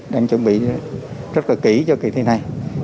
đang chuẩn bị rất là kỹ cho kỳ thi này